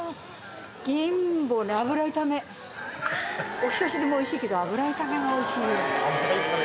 ・おひたしでもおいしいけど油炒めがおいしいよ・油炒め？